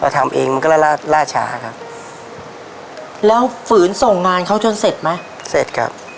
ทำเองมันก็ล่าล่าช้าครับแล้วฝืนส่งงานเขาจนเสร็จไหมเสร็จครับ